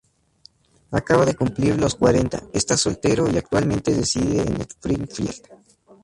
Acaba de cumplir los cuarenta, está soltero y actualmente reside en Springfield.